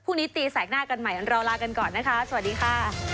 ตีแสกหน้ากันใหม่เราลากันก่อนนะคะสวัสดีค่ะ